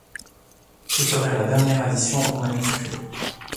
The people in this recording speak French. Ce serait la dernière addition au manuscrit.